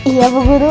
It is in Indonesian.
iya ibu guru